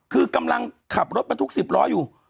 คือกำลังขับรถมาทุกสิบล้ออยู่